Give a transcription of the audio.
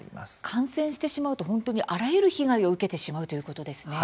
感染してしまうと本当にあらゆる被害を受けてしまうということですね。